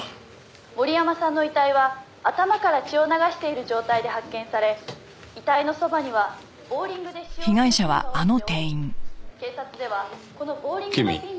「森山さんの遺体は頭から血を流している状態で発見され遺体のそばにはボウリングで使用するピンが落ちており警察ではこのボウリングのピンで」